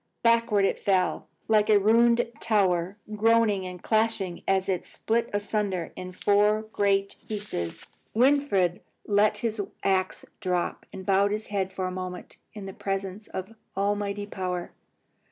Backward it fell, like a ruined tower, groaning and crashing as it split asunder in four great pieces. Winfried let his axe drop, and bowed his head for a moment in the presence of almighty power.